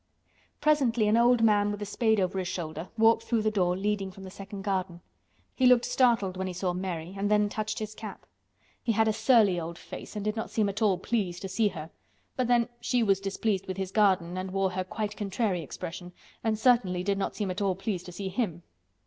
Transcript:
Presently an old man with a spade over his shoulder walked through the door leading from the second garden. He looked startled when he saw Mary, and then touched his cap. He had a surly old face, and did not seem at all pleased to see her—but then she was displeased with his garden and wore her "quite contrary" expression, and certainly did not seem at all pleased to see him.